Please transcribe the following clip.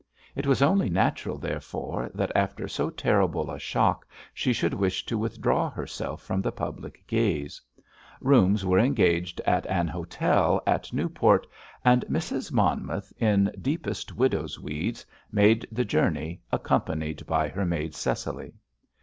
It was only natural, therefore, that after so terrible a shock she should wish to withdraw herself from the public gaze. Rooms were engaged at an hotel at Newport, and Mrs. Monmouth, in deepest widow's weeds, made the journey accompanied by her maid Cecily.